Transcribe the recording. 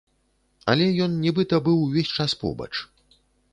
Але ён нібыта быў увесь час побач.